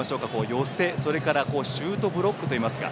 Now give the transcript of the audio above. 寄せ、それからシュートブロック。